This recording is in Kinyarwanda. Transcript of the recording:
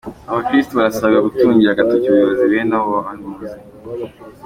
Abakirisitu barasabwa gutungira agatoki ubuyobozi bene abo bahanuzi .